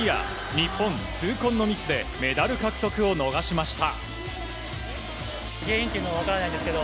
日本、痛恨のミスでメダル獲得を逃しました。